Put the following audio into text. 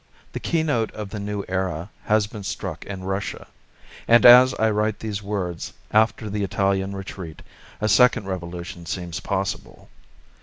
The key note of the new era has been struck in Russia. And as I write these words, after the Italian retreat, a second revolution seems possible.